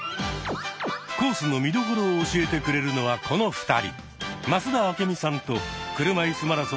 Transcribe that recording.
コースの見どころを教えてくれるのはこの２人。